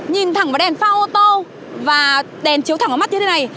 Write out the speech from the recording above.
nhìn thẳng vào đèn pha ô tô và đèn chiếu thẳng vào mắt như thế này